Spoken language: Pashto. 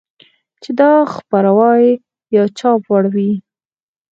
چې د خپراوي يا چاپ وړ وي.